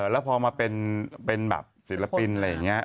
แล้วพอมาเป็นแบบศิลปินอะไรอย่างนี้